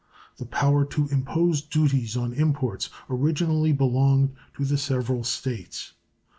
The power to impose duties on imports originally belonged to the several States.